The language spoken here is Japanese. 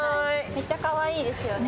めっちゃ可愛いですよね。